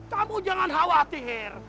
kamu jangan khawatir